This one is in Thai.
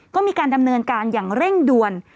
ก็มีการดำเนินการอย่างเร่งด่วน